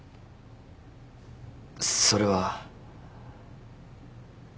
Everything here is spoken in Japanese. それは。